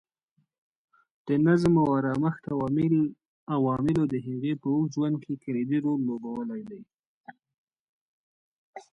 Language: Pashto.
د نظم او ارامښت عواملو د هغې په اوږد ژوند کې کلیدي رول لوبولی.